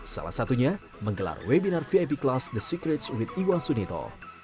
salah satunya menggelar webinar vip class the secrets unit iwan sunito